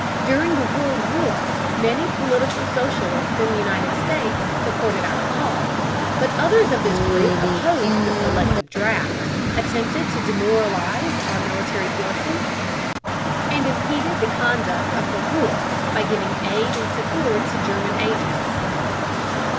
During the World War, many political socialists in the United States supported our cause, but others of this group opposed the selective draft, attempted to demoralize our military forces, and impeded the conduct of the war by giving aid and succor to German agents.